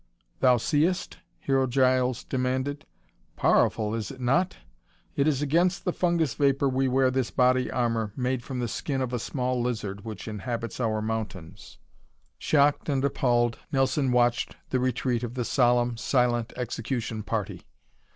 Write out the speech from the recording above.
"Thou seest?" Hero Giles demanded. "Powerful, is it not? It is against the fungus vapor we wear this body armor made from the skin of a small lizard which inhabits our mountains." Shocked and appalled, Nelson watched the retreat of the solemn, silent execution party.